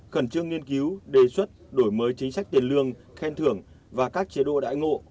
khẩn trương nghiên cứu đề xuất đổi mới chính sách tiền lương khen thưởng và các chế độ đãi ngộ